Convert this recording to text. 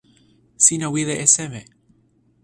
sina wile e seme?